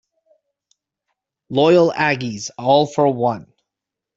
Loyal Aggies, all for one.